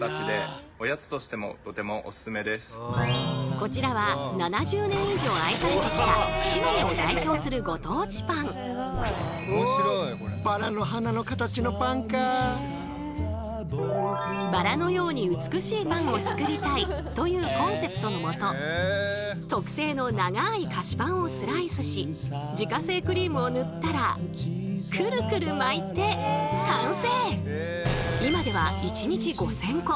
こちらは７０年以上愛されてきた島根を代表するご当地パン。を作りたいというコンセプトのもと特製の長い菓子パンをスライスし自家製クリームを塗ったらクルクル巻いて完成！